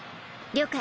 了解！